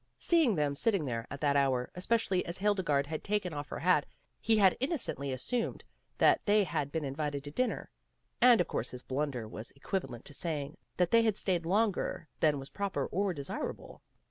Seeing them sitting there at that hour, especially as Hilde garde had taken off her hat, he had innocently asumed that they had been invited to dinner. And of course his blunder was equivalent to saying that they had stayed longer than was proper or desirable.